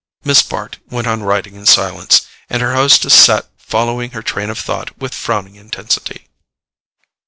Miss Bart went on writing in silence, and her hostess sat following her train of thought with frowning intensity.